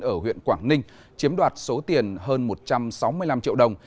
ở huyện quảng ninh chiếm đoạt số tiền hơn một trăm sáu mươi năm triệu đồng